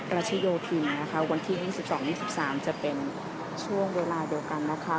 รัชยาภิมิตรนะคะวันที่๒๒๒๓นิวสิบสามจะเป็นช่วงเวลาเดียวกันนะคะ